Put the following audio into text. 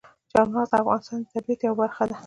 چار مغز د افغانستان د طبیعت یوه برخه ده.